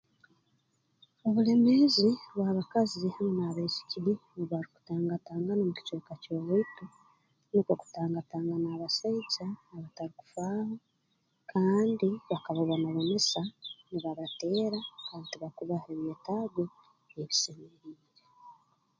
Obulemeezi bw'abakazi hamu n'abasaiki obu barukutangatangana omu kicweka ky'owaitu nukwo kutangatangana abasaija abatarukufaaho kandi bakabonabonesa nibabateera kandi tibakubaha ebyetaago ebisemeriire